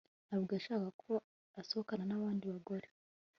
Ntabwo yashakaga ko asohokana nabandi bagore